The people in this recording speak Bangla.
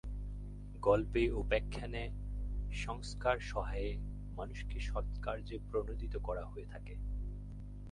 গল্পে উপাখ্যানে, সংস্কার-সহায়ে মানুষকে সৎকার্যে প্রণোদিত করা হয়ে থাকে।